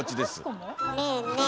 ねえねえ